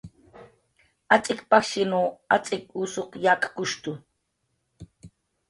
Atz'ik pajshinw atz'ik usuq yakkushtu